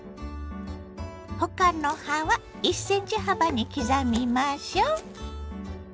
他の葉は１ｃｍ幅に刻みましょ。